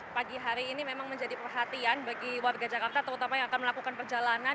pagi hari ini memang menjadi perhatian bagi warga jakarta terutama yang akan melakukan perjalanan